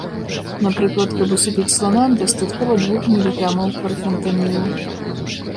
Напрыклад, каб усыпіць слана, дастаткова двух міліграмаў карфентанілу.